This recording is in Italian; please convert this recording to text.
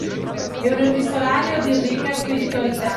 È un epistolario di ricca spiritualità